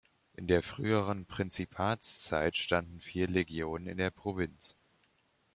In der frühen Prinzipatszeit standen vier Legionen in der Provinz.